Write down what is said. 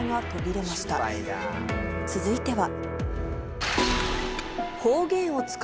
続いては。